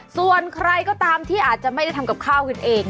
ส่วนใครก็ตามที่อาจจะไม่ได้ทำกับข้าวกันเอง